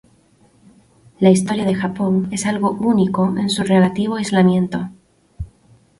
La historia de Japón es algo único en su relativo aislamiento.